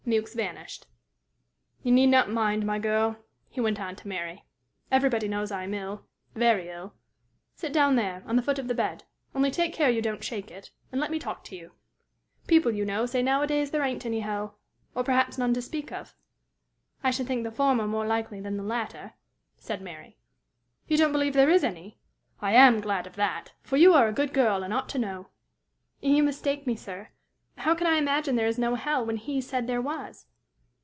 Mewks vanished. "You need not mind, my girl," he went on, to Mary. "Everybody knows I am ill very ill. Sit down there, on the foot of the bed, only take care you don't shake it, and let me talk to you. People, you know, say nowadays there ain't any hell or perhaps none to speak of?" "I should think the former more likely than the latter," said Mary. "You don't believe there is any? I am glad of that! for you are a good girl, and ought to know." "You mistake me, sir. How can I imagine there is no hell, when he said there was?"